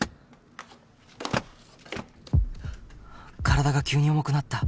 体が急に重くなった